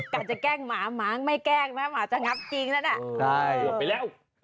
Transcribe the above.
กันจะแกล้งหมาหงมางไม่แกล้งนะหมาจะงับจริงแล้วน่ะ